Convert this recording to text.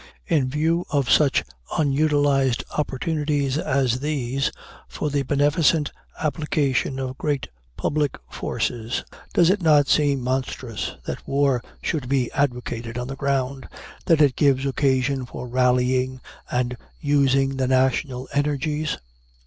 In view of such unutilized opportunities as these for the beneficent application of great public forces, does it not seem monstrous that war should be advocated on the ground that it gives occasion for rallying and using the national energies?